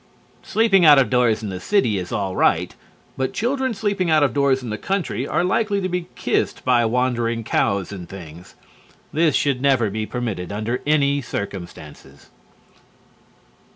_ Sleeping out of doors in the city is all right, but children sleeping out of doors in the country are likely to be kissed by wandering cows and things. This should never be permitted under any circumstances.